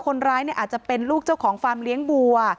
คนร้ายเนี่ยอาจจะเป็นลูกเจ้าของค้นฟาร์มเลี้ยงบัว